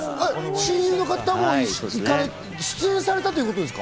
親友の方も出演されたということですか？